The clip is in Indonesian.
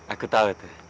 aku tahu itu